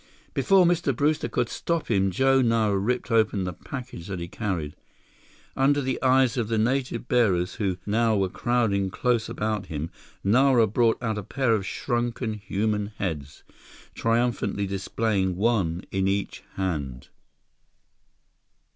Before Mr. Brewster could stop him, Joe Nara ripped open the package that he carried. Under the eyes of the native bearers who now were crowding close about him, Nara brought out a pair of shrunken human heads, triumphantly displaying one in each hand!